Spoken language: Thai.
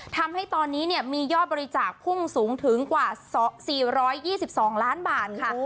ทำให้ตอนนี้มียอดบริจาคพุ่งสูงถึงกว่า๔๒๒ล้านบาทค่ะ